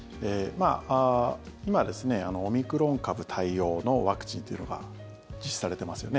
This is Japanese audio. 今、オミクロン株対応のワクチンというのが実施されてますよね。